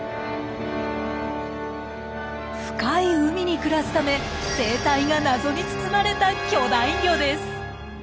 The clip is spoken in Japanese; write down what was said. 深い海に暮らすため生態が謎に包まれた巨大魚です。